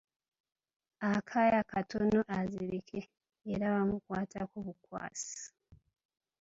Akaya katono azzirike, era bamukwatako bukwasi!